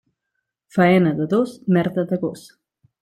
Faena de dos, merda de gos.